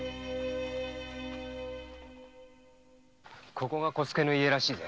ここが小助の家らしいぜ。